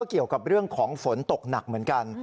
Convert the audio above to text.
เกี่ยวกับเรื่องของฝนตกหนักเหมือนกัน